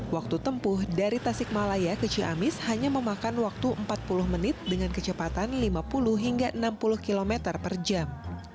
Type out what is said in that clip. waktu tempuh dari tasikmalaya ke ciamis hanya memakan waktu empat puluh menit dengan kecepatan lima puluh hingga enam puluh km per jam